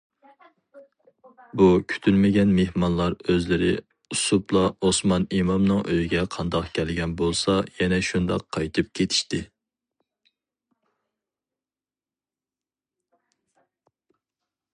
بۇ كۈتۈلمىگەن مېھمانلار ئۆزلىرى ئۈسۈپلا ئوسمان ئىمامنىڭ ئۆيىگە قانداق كەلگەن بولسا يەنە شۇنداق قايتىپ كېتىشتى.